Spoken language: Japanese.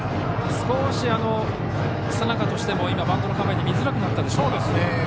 少し佐仲としても今、バントの構えで見づらくなったでしょうか。